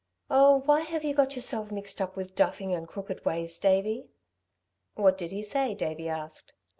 Oh, why have you got yourself mixed up with duffing and crooked ways, Davey?" "What did he say?" Davey asked.